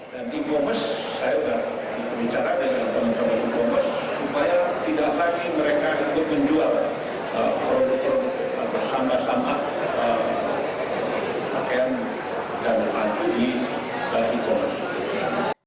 bersama sama pakaian dan sepatu ini berpikir